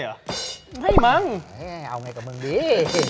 เอาไงกับเมืองนี้